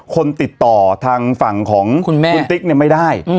คนติดต่อทางฝั่งของคุณแม่คุณติ๊กเนี่ยไม่ได้